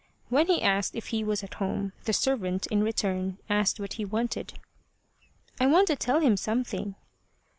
When he asked if he was at home, the servant, in return, asked what he wanted. "I want to tell him something."